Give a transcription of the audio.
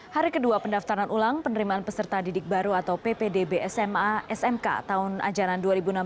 hari kedua pendaftaran ulang penerimaan peserta didik baru atau ppdb sma smk tahun ajaran dua ribu enam belas